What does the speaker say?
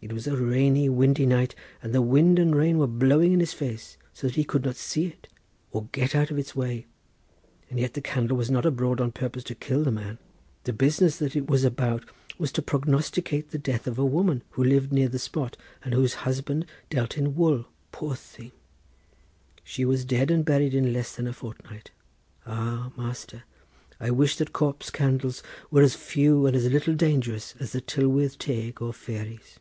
It was a rainy, windy night, and the wind and rain were blowing in his face, so that he could not see it, or get out of its way. And yet the candle was not abroad on purpose to kill the man. The business that it was about was to prognosticate the death of a woman who lived near the spot and whose husband dealt in wool—poor thing! she was dead and buried in less than a fortnight. Ah, master, I wish that corpse candles were as few and as little dangerous as the Tylwith Teg or fairies."